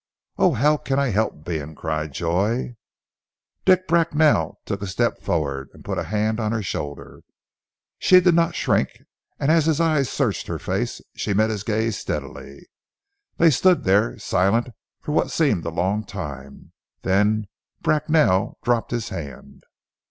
"Oh, how can I help being?" cried Joy. Dick Bracknell took a step forward, and put a hand on her shoulder. She did not shrink, and as his eyes searched her face, she met his gaze steadily. They stood there silent for what seemed a long time, then Bracknell dropped his hand.